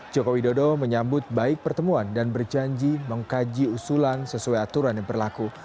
joko widodo menyambut baik pertemuan dan berjanji mengkaji usulan sesuai aturan yang berlaku